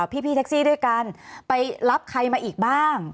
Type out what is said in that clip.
พี่แท็กซี่ด้วยกันไปรับใครมาอีกบ้าง